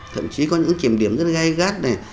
thậm chí có những kiểm điểm rất gai gắt này